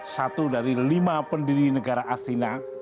satu dari lima pendiri negara astina